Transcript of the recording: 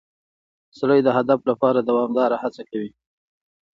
سړی د هدف لپاره دوامداره هڅه کوي